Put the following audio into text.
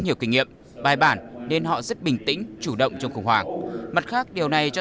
nhiều kinh nghiệm bài bản nên họ rất bình tĩnh chủ động trong khủng hoảng mặt khác điều này cho